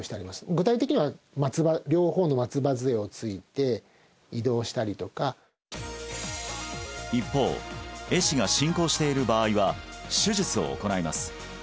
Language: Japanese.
具体的には両方の松葉杖をついて移動したりとか一方壊死が進行している場合は手術を行います